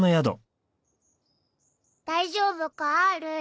大丈夫か？